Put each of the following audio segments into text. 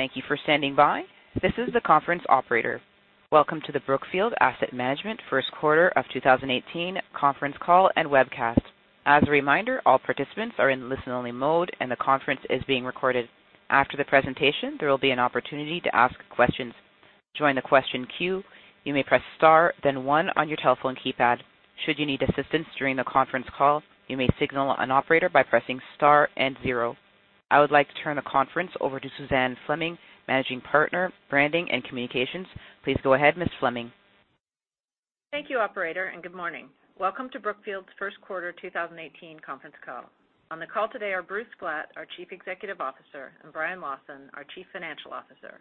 Thank you for standing by. This is the conference operator. Welcome to the Brookfield Asset Management first quarter of 2018 conference call and webcast. As a reminder, all participants are in listen-only mode and the conference is being recorded. After the presentation, there will be an opportunity to ask questions. To join the question queue, you may press star then one on your telephone keypad. Should you need assistance during the conference call, you may signal an operator by pressing star and zero. I would like to turn the conference over to Suzanne Fleming, Managing Partner, Branding and Communications. Please go ahead, Ms. Fleming. Thank you, operator. Good morning. Welcome to Brookfield's first quarter 2018 conference call. On the call today are Bruce Flatt, our Chief Executive Officer, Brian Lawson, our Chief Financial Officer.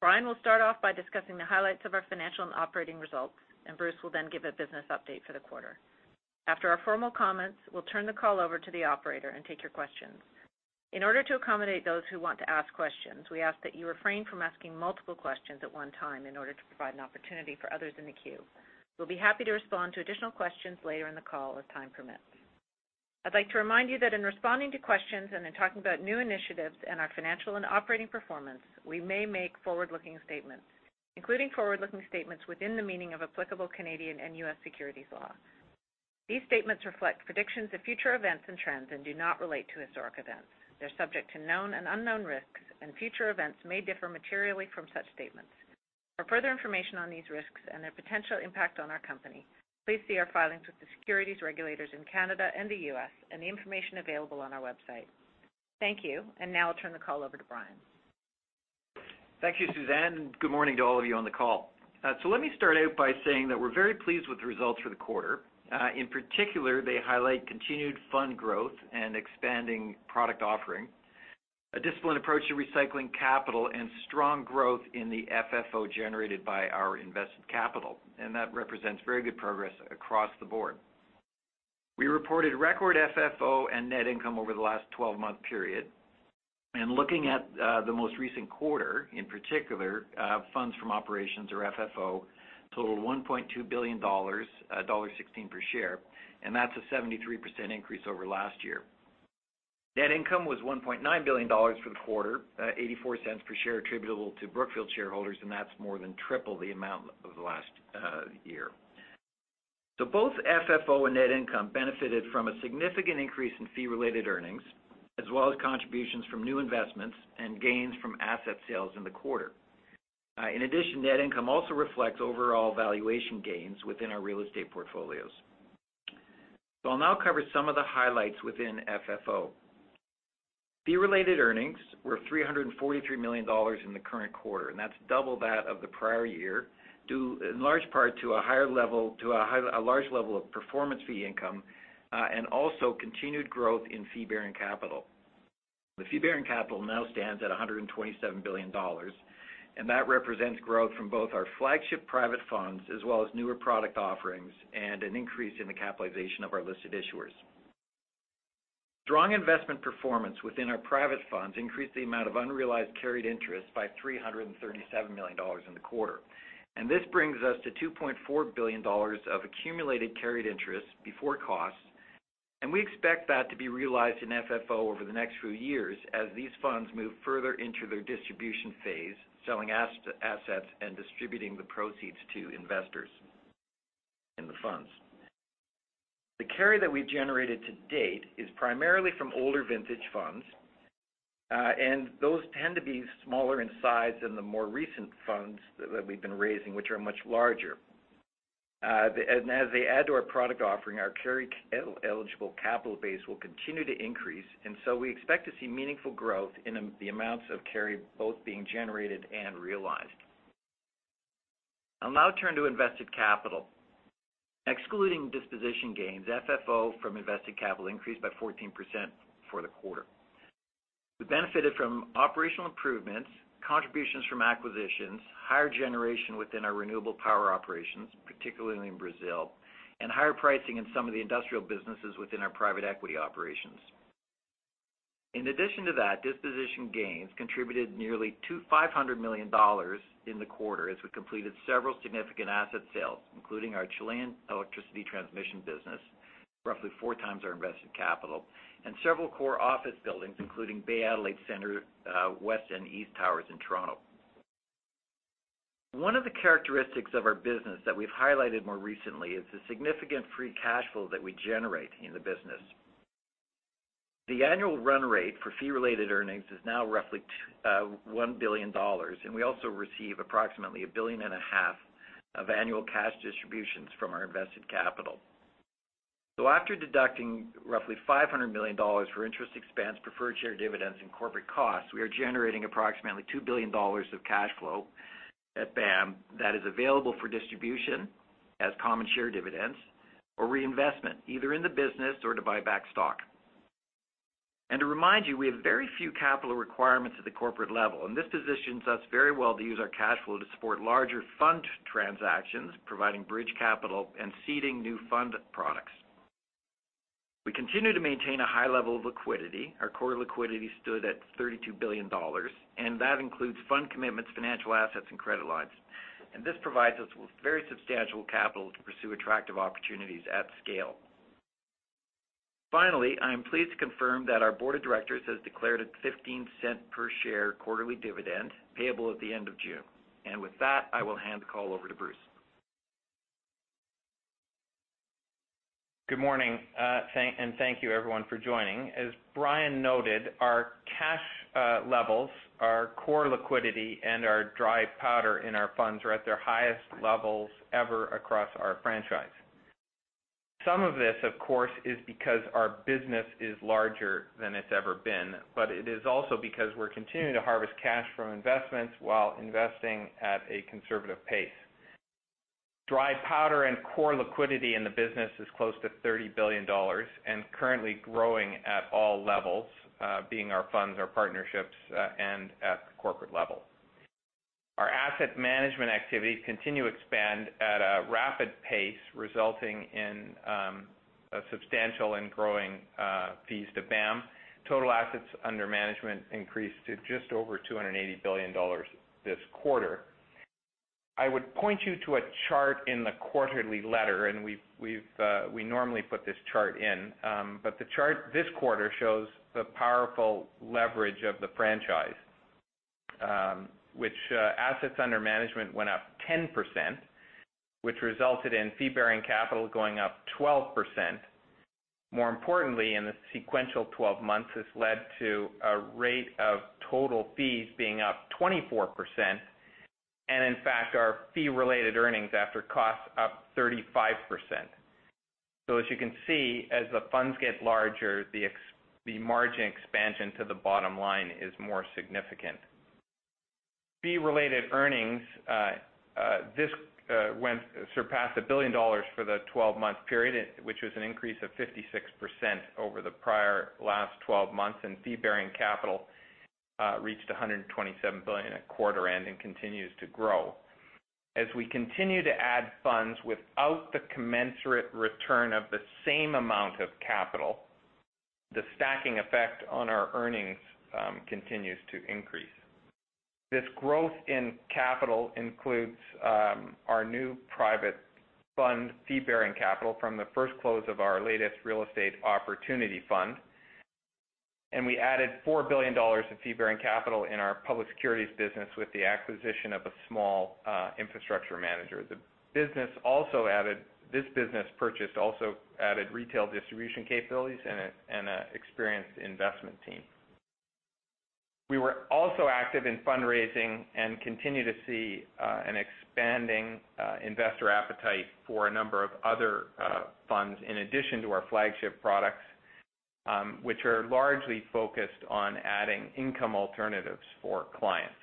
Brian will start off by discussing the highlights of our financial and operating results. Bruce will then give a business update for the quarter. After our formal comments, we'll turn the call over to the operator and take your questions. In order to accommodate those who want to ask questions, we ask that you refrain from asking multiple questions at one time in order to provide an opportunity for others in the queue. We'll be happy to respond to additional questions later in the call as time permits. I'd like to remind you that in responding to questions and in talking about new initiatives and our financial and operating performance, we may make forward-looking statements, including forward-looking statements within the meaning of applicable Canadian and U.S. securities law. These statements reflect predictions of future events and trends and do not relate to historic events. They're subject to known and unknown risks, and future events may differ materially from such statements. For further information on these risks and their potential impact on our company, please see our filings with the securities regulators in Canada and the U.S. and the information available on our website. Thank you. Now I'll turn the call over to Brian. Thank you, Suzanne. Good morning to all of you on the call. Let me start out by saying that we're very pleased with the results for the quarter. In particular, they highlight continued fund growth and expanding product offering, a disciplined approach to recycling capital. Strong growth in the FFO generated by our invested capital. That represents very good progress across the board. We reported record FFO and net income over the last 12-month period. Looking at the most recent quarter in particular, funds from operations or FFO totaled $1.2 billion, $1.16 per share. That's a 73% increase over last year. Net income was $1.9 billion for the quarter, $0.84 per share attributable to Brookfield shareholders. That's more than triple the amount of the last year. Both FFO and net income benefited from a significant increase in fee-related earnings, as well as contributions from new investments and gains from asset sales in the quarter. In addition, net income also reflects overall valuation gains within our real estate portfolios. I'll now cover some of the highlights within FFO. Fee-related earnings were $343 million in the current quarter, and that's double that of the prior year due in large part to a large level of performance fee income, and also continued growth in fee-bearing capital. The fee-bearing capital now stands at $127 billion, and that represents growth from both our flagship private funds as well as newer product offerings and an increase in the capitalization of our listed issuers. Strong investment performance within our private funds increased the amount of unrealized carried interest by $337 million in the quarter. This brings us to $2.4 billion of accumulated carried interest before costs, and we expect that to be realized in FFO over the next few years as these funds move further into their distribution phase, selling assets, and distributing the proceeds to investors in the funds. The carry that we've generated to date is primarily from older vintage funds, and those tend to be smaller in size than the more recent funds that we've been raising, which are much larger. As they add to our product offering, our carry-eligible capital base will continue to increase, we expect to see meaningful growth in the amounts of carry both being generated and realized. I'll now turn to invested capital. Excluding disposition gains, FFO from invested capital increased by 14% for the quarter. We benefited from operational improvements, contributions from acquisitions, higher generation within our renewable power operations, particularly in Brazil, and higher pricing in some of the industrial businesses within our private equity operations. In addition to that, disposition gains contributed nearly $500 million in the quarter as we completed several significant asset sales, including our Chilean electricity transmission business, roughly four times our invested capital, and several core office buildings, including Bay Adelaide Centre, West and East Towers in Toronto. One of the characteristics of our business that we've highlighted more recently is the significant free cash flow that we generate in the business. The annual run rate for fee-related earnings is now roughly $1 billion, and we also receive approximately a billion and a half of annual cash distributions from our invested capital. After deducting roughly $500 million for interest expense, preferred share dividends, and corporate costs, we are generating approximately $2 billion of cash flow at BAM that is available for distribution as common share dividends or reinvestment, either in the business or to buy back stock. To remind you, we have very few capital requirements at the corporate level, this positions us very well to use our cash flow to support larger fund transactions, providing bridge capital and seeding new fund products. We continue to maintain a high level of liquidity. Our core liquidity stood at $32 billion, that includes fund commitments, financial assets, and credit lines. This provides us with very substantial capital to pursue attractive opportunities at scale. Finally, I am pleased to confirm that our board of directors has declared a $0.15 per share quarterly dividend payable at the end of June. With that, I will hand the call over to Bruce. Good morning. Thank you everyone for joining. As Brian noted, our cash levels, our core liquidity, and our dry powder in our funds are at their highest levels ever across our franchise. Some of this, of course, is because our business is larger than it's ever been, but it is also because we're continuing to harvest cash from investments while investing at a conservative pace. Dry powder and core liquidity in the business is close to $30 billion and currently growing at all levels, being our funds, our partnerships, and at the corporate level. Our asset management activities continue to expand at a rapid pace, resulting in a substantial and growing fees to BAM. Total assets under management increased to just over $280 billion this quarter. I would point you to a chart in the quarterly letter. We normally put this chart in. The chart this quarter shows the powerful leverage of the franchise. Which assets under management went up 10%, which resulted in fee-bearing capital going up 12%. More importantly, in the sequential 12 months, this led to a rate of total fees being up 24%, and in fact, our fee-related earnings after cost up 35%. As you can see, as the funds get larger, the margin expansion to the bottom line is more significant. Fee-related earnings surpassed $1 billion for the 12-month period, which was an increase of 56% over the prior last 12 months. Fee-bearing capital reached $127 billion at quarter end and continues to grow. As we continue to add funds without the commensurate return of the same amount of capital, the stacking effect on our earnings continues to increase. This growth in capital includes our new private fund fee-bearing capital from the first close of our latest real estate opportunity fund. We added $4 billion in fee-bearing capital in our public securities business with the acquisition of a small infrastructure manager. This business purchase also added retail distribution capabilities and an experienced investment team. We were also active in fundraising and continue to see an expanding investor appetite for a number of other funds in addition to our flagship products, which are largely focused on adding income alternatives for clients.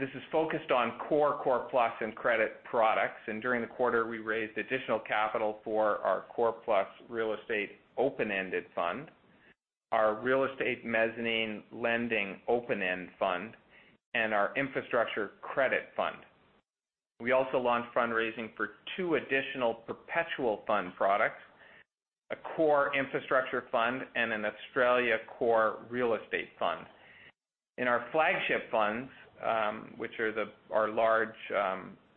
This is focused on core plus, and credit products. During the quarter, we raised additional capital for our core plus real estate open-ended fund, our real estate mezzanine lending open-end fund, and our infrastructure credit fund. We also launched fundraising for two additional perpetual fund products, a core infrastructure fund and an Australia core real estate fund. In our flagship funds, which are our large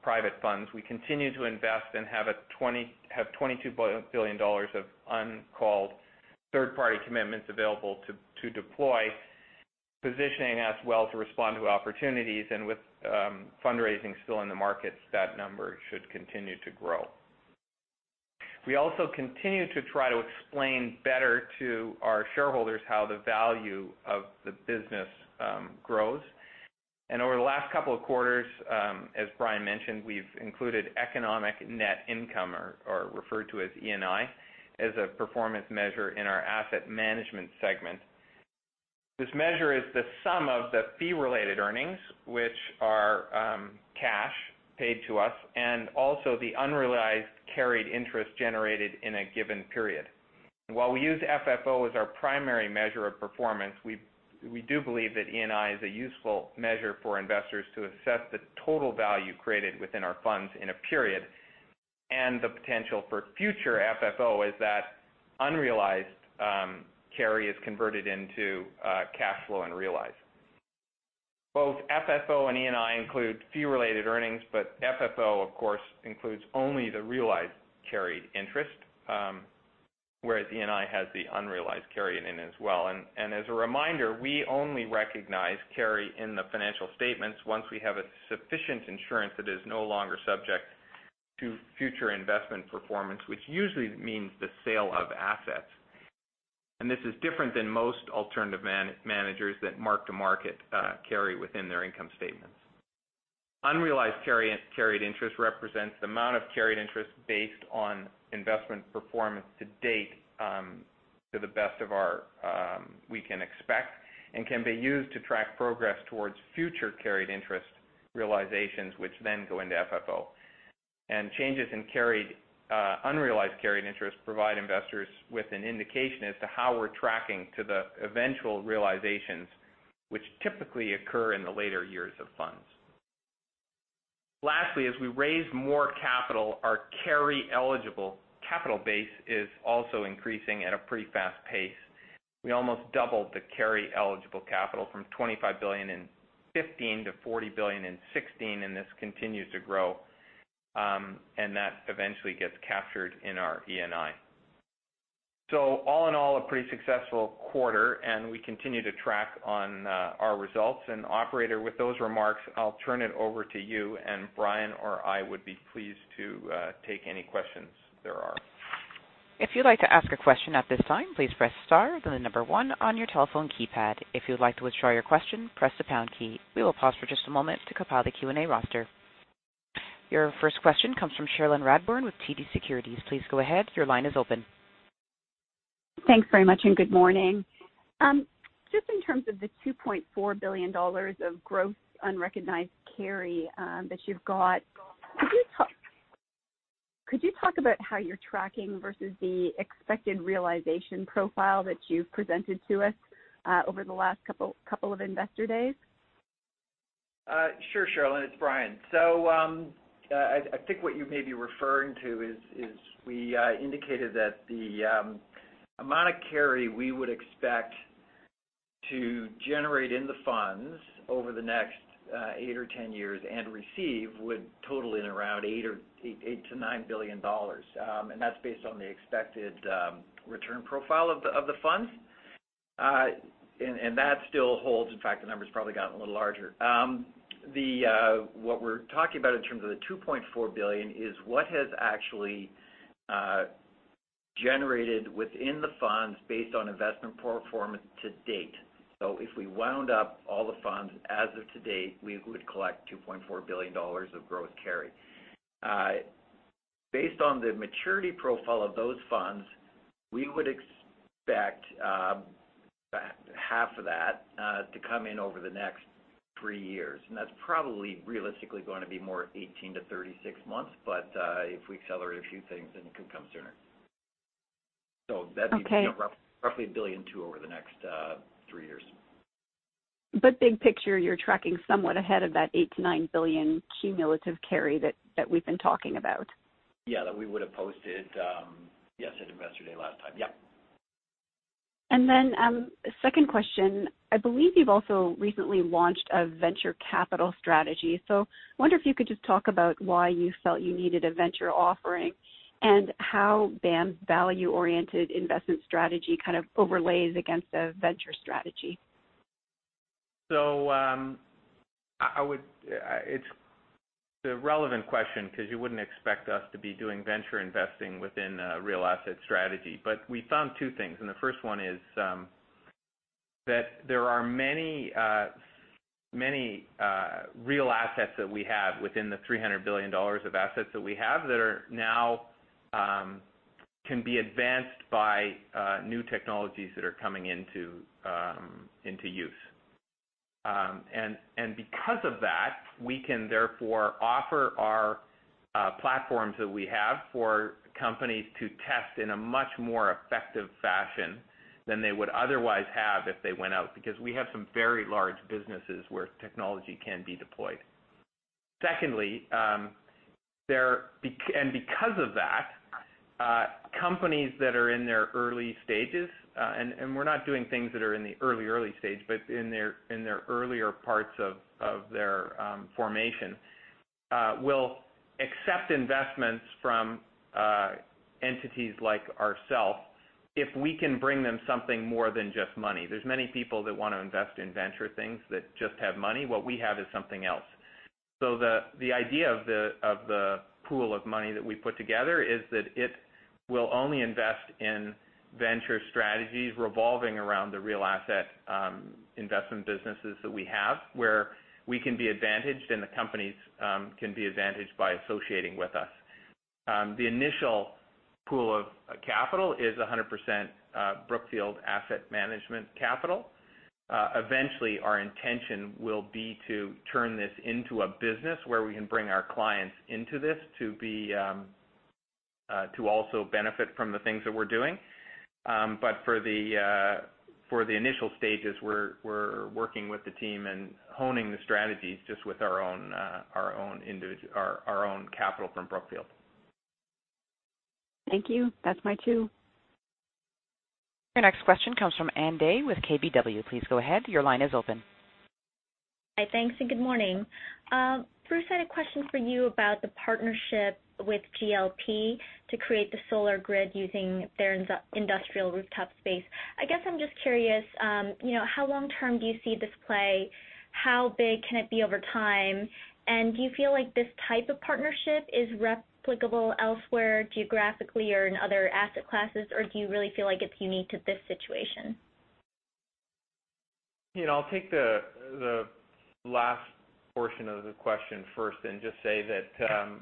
private funds, we continue to invest and have $22 billion of uncalled third-party commitments available to deploy, positioning us well to respond to opportunities. With fundraising still in the markets, that number should continue to grow. We also continue to try to explain better to our shareholders how the value of the business grows. Over the last couple of quarters, as Brian mentioned, we've included economic net income, or referred to as ENI, as a performance measure in our asset management segment. This measure is the sum of the fee-related earnings, which are cash paid to us, and also the unrealized carried interest generated in a given period. While we use FFO as our primary measure of performance, we do believe that ENI is a useful measure for investors to assess the total value created within our funds in a period and the potential for future FFO as that unrealized carry is converted into cash flow and realized. Both FFO and ENI include fee-related earnings, FFO, of course, includes only the realized carried interest, whereas ENI has the unrealized carry in it as well. As a reminder, we only recognize carry in the financial statements once we have a sufficient insurance that is no longer subject to future investment performance, which usually means the sale of assets. This is different than most alternative managers that mark to market carry within their income statements. Unrealized carried interest represents the amount of carried interest based on investment performance to date to the best we can expect and can be used to track progress towards future carried interest realizations, which then go into FFO. Changes in unrealized carried interest provide investors with an indication as to how we're tracking to the eventual realizations which typically occur in the later years of funds. Lastly, as we raise more capital, our carry eligible capital base is also increasing at a pretty fast pace. We almost doubled the carry eligible capital from $25 billion in 2015 to $40 billion in 2016, and this continues to grow. That eventually gets captured in our ENI. All in all, a pretty successful quarter, and we continue to track on our results. Operator, with those remarks, I'll turn it over to you, and Brian or I would be pleased to take any questions there are. If you'd like to ask a question at this time, please press star, then the number one on your telephone keypad. If you'd like to withdraw your question, press the pound key. We will pause for just a moment to compile the Q&A roster. Your first question comes from Cherilyn Radbourne with TD Securities. Please go ahead. Your line is open. Thanks very much, good morning. Just in terms of the $2.4 billion of gross unrecognized carry that you've got, could you talk about how you're tracking versus the expected realization profile that you've presented to us, over the last couple of investor days? Sure, Cherilyn, it's Brian. I think what you may be referring to is we indicated that the amount of carry we would expect to generate in the funds over the next eight or 10 years and receive would total in around $8 billion-$9 billion. That's based on the expected return profile of the funds. That still holds. In fact, the number's probably gotten a little larger. What we're talking about in terms of the $2.4 billion is what has actually generated within the funds based on investment performance to date. If we wound up all the funds as of to date, we would collect $2.4 billion of gross carry. Based on the maturity profile of those funds, we would expect half of that to come in over the next three years. That's probably realistically going to be more 18 to 36 months, but, if we accelerate a few things, then it could come sooner. Okay. That means roughly $1.2 billion over the next three years. Big picture, you're tracking somewhat ahead of that $8 billion-$9 billion cumulative carry that we've been talking about. Yeah. That we would've posted, yes, at Investor Day last time. Yep. Second question. I believe you've also recently launched a venture capital strategy. I wonder if you could just talk about why you felt you needed a venture offering, and how BAM's value-oriented investment strategy kind of overlays against a venture strategy. It's a relevant question because you wouldn't expect us to be doing venture investing within a real asset strategy. We found two things. The first one is, that there are many real assets that we have within the $300 billion of assets that we have that now can be advanced by new technologies that are coming into use. Because of that, we can therefore offer our platforms that we have for companies to test in a much more effective fashion than they would otherwise have if they went out, because we have some very large businesses where technology can be deployed. Secondly, because of that, companies that are in their early stages, and we're not doing things that are in the early stage, but in their earlier parts of their formation, will accept investments from entities like ourself if we can bring them something more than just money. There's many people that want to invest in venture things that just have money. What we have is something else. The idea of the pool of money that we put together is that it will only invest in venture strategies revolving around the real asset investment businesses that we have, where we can be advantaged, and the companies can be advantaged by associating with us. The initial pool of capital is 100% Brookfield Asset Management capital. Eventually our intention will be to turn this into a business where we can bring our clients into this to also benefit from the things that we're doing. For the initial stages, we're working with the team and honing the strategies just with our own capital from Brookfield. Thank you. That's my two. Your next question comes from Ann Dai with KBW. Please go ahead. Your line is open. Hi. Thanks, good morning. Bruce, I had a question for you about the partnership with GLP to create the solar grid using their industrial rooftop space. I guess I'm just curious, how long-term do you see this play? How big can it be over time? Do you feel like this type of partnership is replicable elsewhere geographically or in other asset classes, or do you really feel like it's unique to this situation? I'll take the last portion of the question first and just say that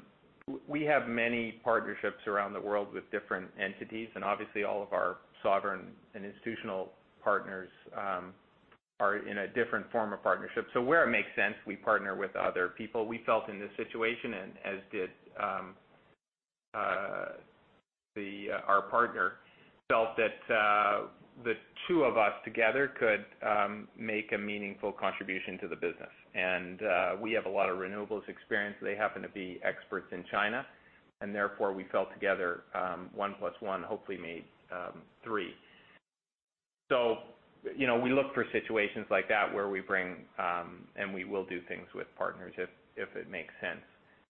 we have many partnerships around the world with different entities, obviously, all of our sovereign and institutional partners are in a different form of partnership. Where it makes sense, we partner with other people. We felt in this situation, and as did our partner, felt that the two of us together could make a meaningful contribution to the business. We have a lot of renewables experience. They happen to be experts in China. Therefore, we felt together one plus one hopefully made three. We look for situations like that where we bring, and we will do things with partners if it makes sense.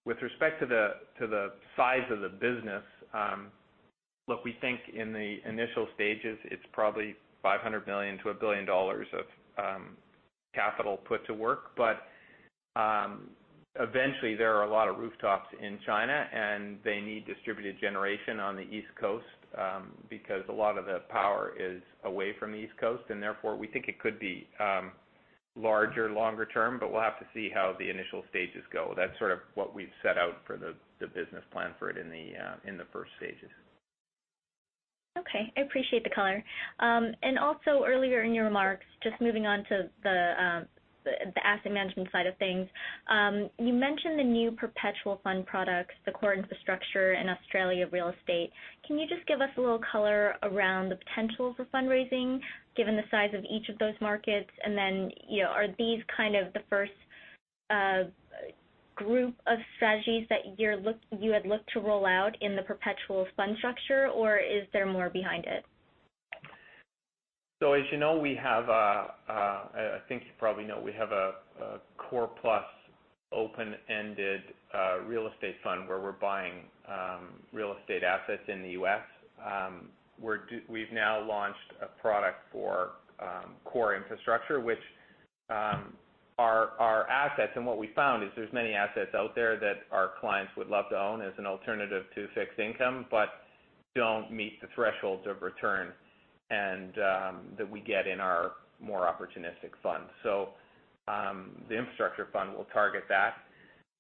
With respect to the size of the business, look, we think in the initial stages, it's probably $500 million to $1 billion of capital put to work. Eventually, there are a lot of rooftops in China, they need distributed generation on the East Coast, because a lot of the power is away from the East Coast, therefore, we think it could be larger longer term, but we'll have to see how the initial stages go. That's sort of what we've set out for the business plan for it in the first stages. Okay. I appreciate the color. Earlier in your remarks, just moving on to the asset management side of things. You mentioned the new perpetual fund products, the core infrastructure and Australia real estate. Can you just give us a little color around the potential for fundraising, given the size of each of those markets? Are these kind of the first group of strategies that you had looked to roll out in the perpetual fund structure, or is there more behind it? As you know, I think you probably know we have a core plus open-ended real estate fund where we're buying real estate assets in the U.S. We've now launched a product for core infrastructure, which are our assets. What we found is there's many assets out there that our clients would love to own as an alternative to fixed income, but don't meet the thresholds of return that we get in our more opportunistic funds. The infrastructure fund will target that.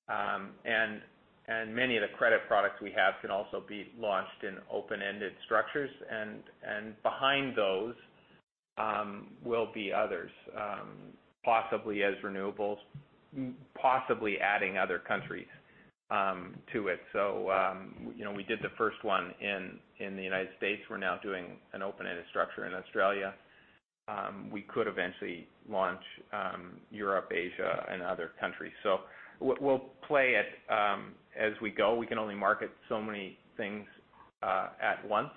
Many of the credit products we have can also be launched in open-ended structures, and behind those will be others possibly as renewables, possibly adding other countries to it. We did the first one in the U.S. We're now doing an open-ended structure in Australia. We could eventually launch Europe, Asia, and other countries. We'll play it as we go. We can only market so many things at once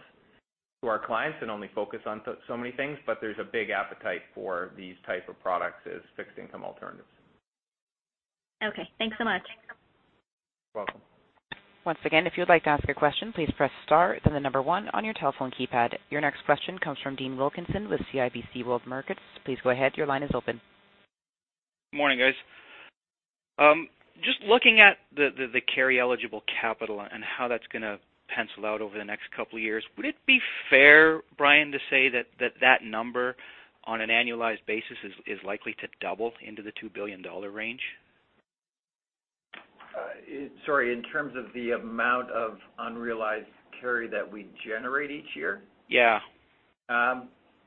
to our clients and only focus on so many things, but there's a big appetite for these type of products as fixed income alternatives. Okay. Thanks so much. You're welcome. Once again, if you'd like to ask a question, please press star then the number 1 on your telephone keypad. Your next question comes from Dean Wilkinson with CIBC World Markets. Please go ahead. Your line is open. Morning, guys. Just looking at the carry eligible capital and how that's going to pencil out over the next couple of years. Would it be fair, Brian, to say that that number on an annualized basis is likely to double into the $2 billion range? Sorry, in terms of the amount of unrealized carry that we generate each year? Yeah.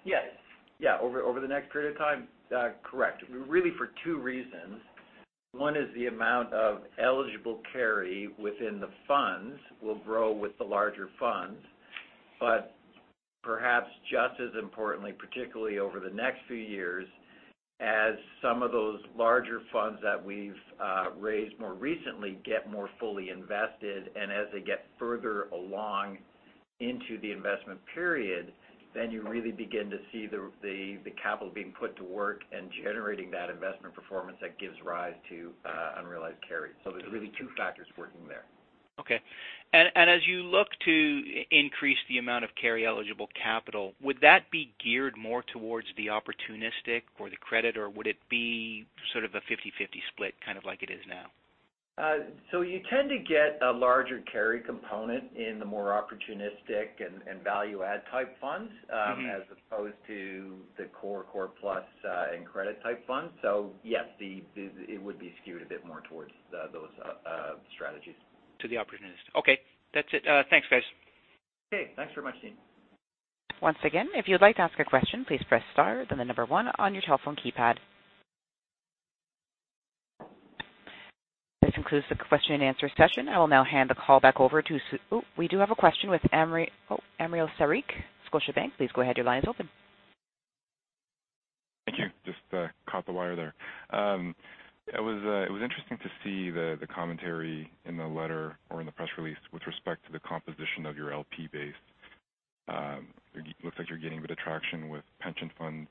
Yes. Over the next period of time? Correct. Really for two reasons. One is the amount of eligible carry within the funds will grow with the larger funds. Perhaps just as importantly, particularly over the next few years, as some of those larger funds that we've raised more recently get more fully invested, and as they get further along into the investment period, then you really begin to see the capital being put to work and generating that investment performance that gives rise to unrealized carry. There's really two factors working there. Okay. As you look to increase the amount of carry eligible capital, would that be geared more towards the opportunistic or the credit, or would it be sort of a 50/50 split, kind of like it is now? You tend to get a larger carry component in the more opportunistic and value add type funds as opposed to the core plus and credit type funds. Yes, it would be skewed a bit more towards those strategies. To the opportunistic. Okay. That's it. Thanks, guys. Okay. Thanks very much, Dean. Once again, if you'd like to ask a question, please press star then number 1 on your telephone keypad. This concludes the question and answer session. I will now hand the call back over to We do have a question with Mario Saric, Scotiabank. Please go ahead. Your line is open. Thank you. Just caught the wire there. It was interesting to see the commentary in the letter or in the press release with respect to the composition of your LP base. It looks like you're getting a bit of traction with pension funds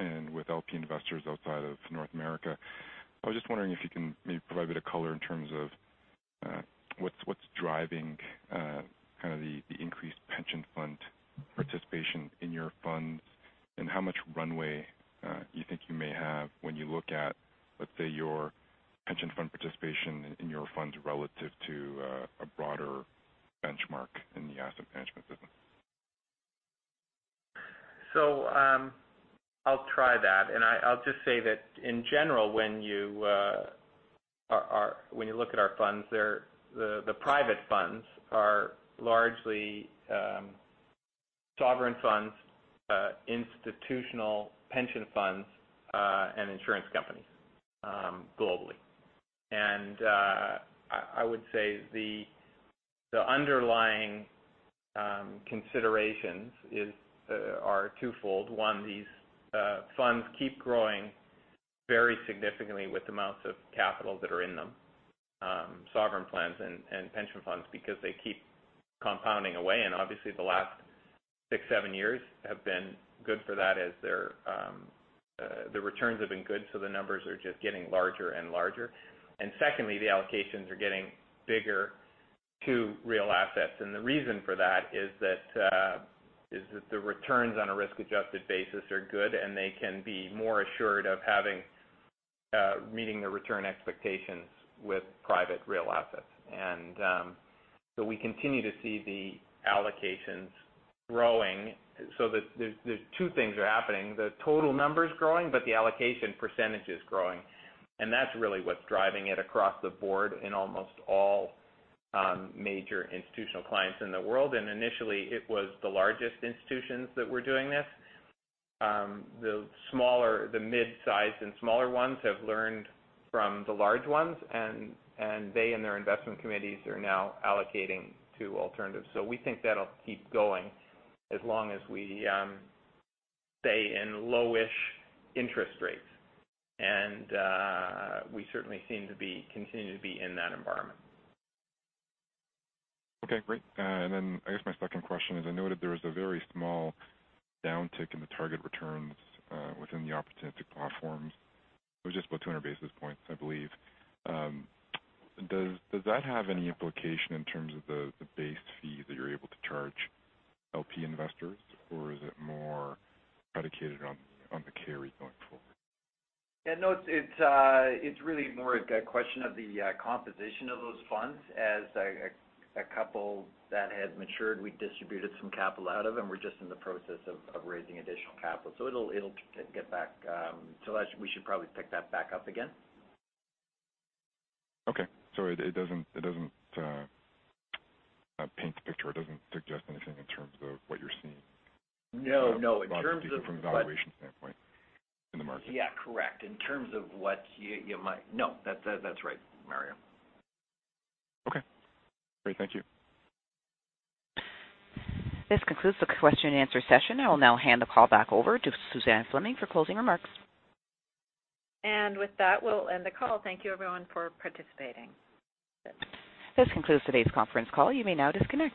and with LP investors outside of North America. I was just wondering if you can maybe provide a bit of color in terms of what's driving the increased pension fund participation in your funds and how much runway you think you may have when you look at, let's say, your pension fund participation in your funds relative to a broader benchmark in the asset management system. I'll try that. I'll just say that in general, when you look at our funds, the private funds are largely sovereign funds, institutional pension funds, and insurance companies globally. I would say the underlying considerations are twofold. One, these funds keep growing very significantly with the amounts of capital that are in them, sovereign plans and pension funds, because they keep compounding away. Obviously the last six, seven years have been good for that as the returns have been good, so the numbers are just getting larger and larger. Secondly, the allocations are getting bigger to real assets. The reason for that is that the returns on a risk-adjusted basis are good, and they can be more assured of meeting the return expectations with private real assets. We continue to see the allocations growing. There's two things are happening. The total number's growing, but the allocation percentage is growing, and that's really what's driving it across the board in almost all major institutional clients in the world. Initially it was the largest institutions that were doing this. The mid-size and smaller ones have learned from the large ones, and they and their investment committees are now allocating to alternatives. We think that'll keep going as long as we stay in low-ish interest rates. We certainly seem to continue to be in that environment. Okay, great. I guess my second question is, I noted there was a very small downtick in the target returns within the opportunistic platforms. It was just about 200 basis points, I believe. Does that have any implication in terms of the base fee that you're able to charge LP investors? Is it more predicated on the carry going forward? Yeah, no, it's really more a question of the composition of those funds. As a couple that had matured, we distributed some capital out of them. We're just in the process of raising additional capital. We should probably pick that back up again. Okay. It doesn't paint the picture, it doesn't suggest anything in terms of what you're seeing. No. In terms of what- From a valuation standpoint in the market. Yeah, correct. No, that's right, Mario. Okay, great. Thank you. This concludes the question and answer session. I will now hand the call back over to Suzanne Fleming for closing remarks. With that, we'll end the call. Thank you everyone for participating. This concludes today's conference call. You may now disconnect.